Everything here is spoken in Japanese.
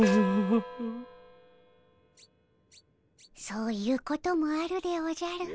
そういうこともあるでおじゃる。